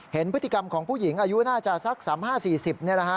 เห็นพฤติกรรมของผู้หญิงอายุน่าจะสัก๓๕๔๐นี่แหละฮะ